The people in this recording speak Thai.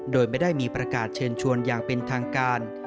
โดยไม่ได้มีประกาศเชิญชวนอย่างเป็นทางการ